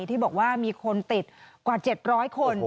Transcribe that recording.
ที่บอกว่ามีคนติดกว่า๗๐๐คน